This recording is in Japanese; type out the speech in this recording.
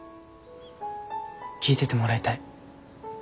聞いててもらいたい。